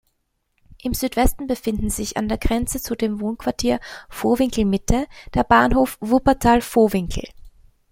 Im Südwesten befindet sich an der Grenze zu dem Wohnquartier Vohwinkel-Mitte der Bahnhof Wuppertal-Vohwinkel.